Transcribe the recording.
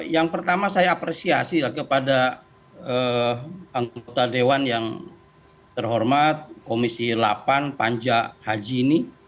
yang pertama saya apresiasi kepada anggota dewan yang terhormat komisi delapan panja haji ini